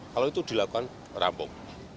kalau itu dilakukan rampung